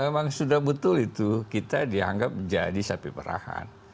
memang sudah betul itu kita dianggap jadi sapi perahan